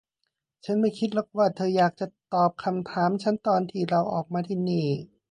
ฉันไม่คิดหรอกว่าเธออยากจะตอบคำถามฉันตอนที่เราออกมาที่นี่